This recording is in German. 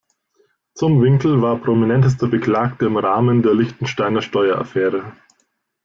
Zumwinkel war prominentester Beklagter im Rahmen der Liechtensteiner Steueraffäre.